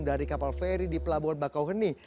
dari kapal feri di pelabuhan bakauheni